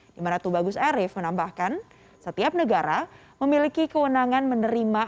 di mana tubagus arif menambahkan setiap negara memiliki kewenangan menerima